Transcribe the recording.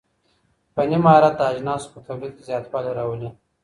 فني مهارت د اجناسو په توليد کي زياتوالی راولي.